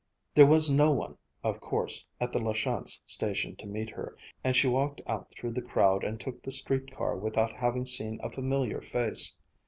There was no one, of course, at the La Chance station to meet her, and she walked out through the crowd and took the street car without having seen a familiar face.